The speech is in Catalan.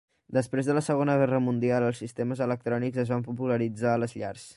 Després de la Segona Guerra Mundial els sistemes electrònics es van popularitzar a les llars.